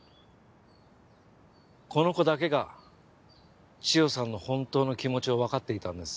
この子だけがチヨさんの本当の気持ちをわかっていたんです。